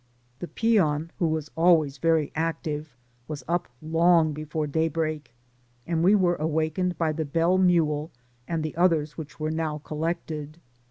The peon, who was always very active, was up long before day break, and we were awakened by the bell mule and the others which were now col lected.